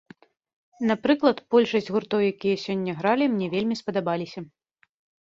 Напрыклад, большасць гуртоў, якія сёння гралі, мне вельмі спадабаліся.